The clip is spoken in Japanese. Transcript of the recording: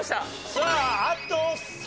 さああと３問。